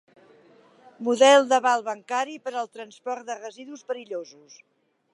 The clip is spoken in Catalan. Model d'aval bancari per al transport de residus perillosos.